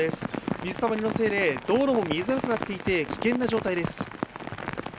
水たまりのせいで道路が見えづらくなっていて危険な状態です。